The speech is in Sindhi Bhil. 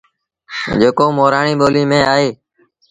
جيڪو مورآڻي ٻوليٚ ميݩ اهي